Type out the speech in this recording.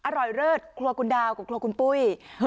อร่อยเริ่ดครัวกุณดาวกับครัวกุณปุ้ย